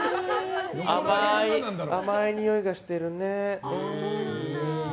甘いにおいがしているね。